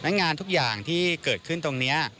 งานทุกอย่างที่เกิดขึ้นตรงนี้